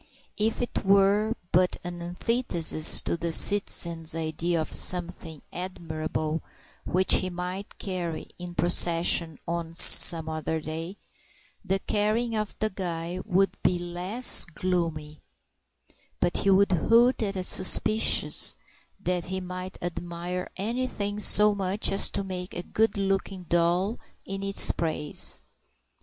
If it were but an antithesis to the citizen's idea of something admirable which he might carry in procession on some other day, the carrying of the guy would be less gloomy; but he would hoot at a suspicion that he might admire anything so much as to make a good looking doll in its praise.